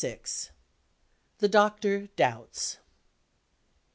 THE DOCTOR DOUBTS.